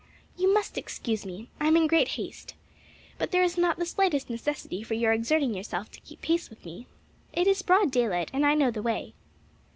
"You must excuse me; I am in great haste. But there is not the slightest necessity for your exerting yourself to keep pace with me. It is broad daylight and I know the way."